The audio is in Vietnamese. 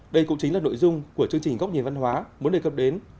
đây cũng chính là nội dung của chương trình góc nhìn văn hóa muốn đề cập đến